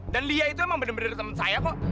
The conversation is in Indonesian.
dan lia itu emang benar benar teman saya kok